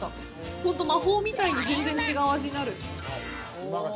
ほんと、魔法みたいに全然違う味になる！